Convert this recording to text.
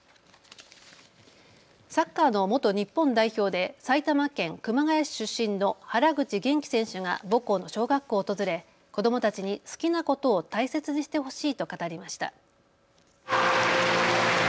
サッカーの元日本代表で埼玉県熊谷市出身の原口元気選手が母校の小学校を訪れ子どもたちに好きなことを大切にしてほしいと語りました。